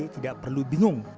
tidak perlu bingung